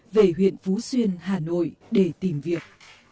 về huyện phú xuyên hà nội để tìm việc